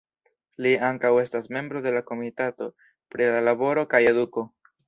Li ankaŭ estas membro de la Komitato pri La Laboro kaj Eduko.